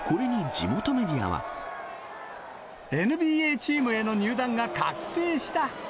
ＮＢＡチームへの入団が確定した。